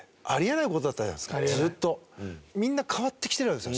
みんな変わってきてるわけですよ。